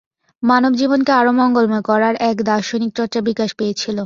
মানবজীবনকে আরও মঙ্গলময় করার এক দার্শনিকচর্চা বিকাশ পেয়েছিল।